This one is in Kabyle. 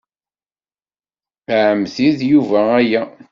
A ɛemmti, d Yuba aya.